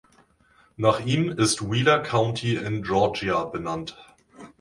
Nach ihm ist Wheeler County in Georgia benannt.